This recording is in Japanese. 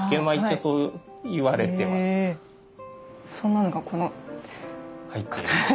そんなのがこの刀に。